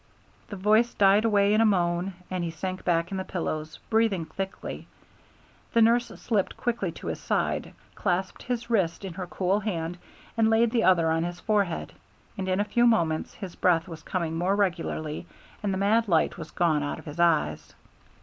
The voice died away in a moan, and he sank back in the pillows, breathing thickly. The nurse slipped quickly to his side, clasped his wrist in her cool hand, and laid the other on his forehead, and in a few moments his breath was coming more regularly and the mad light was gone out of his eyes.